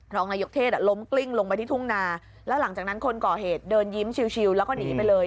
รองนายกเทศล้มกลิ้งลงไปที่ทุ่งนาแล้วหลังจากนั้นคนก่อเหตุเดินยิ้มชิวแล้วก็หนีไปเลย